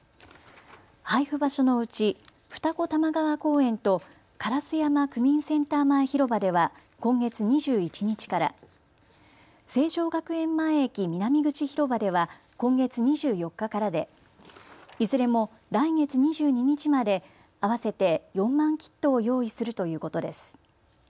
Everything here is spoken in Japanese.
配布場所のうち二子玉川公園と烏山区民センター前広場では今月２１日から、成城学園前駅南口広場では今月２４日からでいずれも来月２２日まで合わせて４万キットを用意するということです。